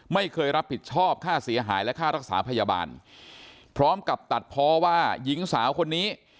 ไม่เคยรับผิดชอบค่าเสียหายและค่ารักษาพยาบาลพร้อมกับตัดเพราะว่าหญิงสาวคนนี้